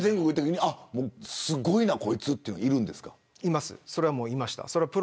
すごいなこいつっていう人いましたか。